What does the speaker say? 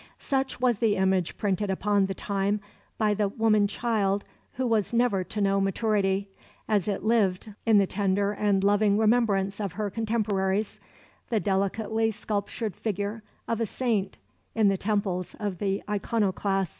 Such was the image printed upon the time by the woman child who was never to know maturity, as it lived in the tender and loving remembrance of her contemporaries, the delicately sculptured figure of a saint in the temples of the iconoclasts.